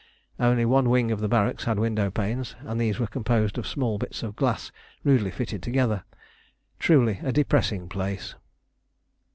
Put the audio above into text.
Only one wing of the barracks had window panes, and these were composed of small bits of glass rudely fitted together. Truly a depressing place.